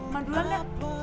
ma duluan ya